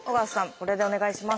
これでお願いします。